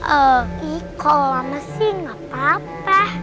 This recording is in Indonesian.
iiih kalau lama sih gak apa apa